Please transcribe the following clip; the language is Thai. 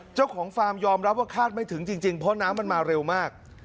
ฟาร์มยอมรับว่าคาดไม่ถึงจริงเพราะน้ำมันมาเร็วมาก